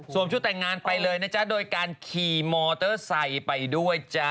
ชุดแต่งงานไปเลยนะจ๊ะโดยการขี่มอเตอร์ไซค์ไปด้วยจ๊ะ